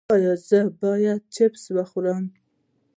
ایا زه باید چپس وخورم؟